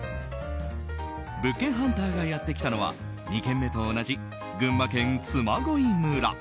物件ハンターがやってきたのは２軒目と同じ群馬県嬬恋村。